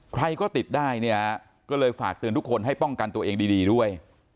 ใครก็ติดได้เนี่ยก็เลยฝากเตือนทุกคนให้ป้องกันตัวเองดีด้วย